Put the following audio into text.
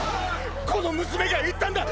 この娘が言ったんだ！